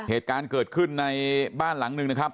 เหตุการณ์เกิดขึ้นในบ้านหลังหนึ่งนะครับ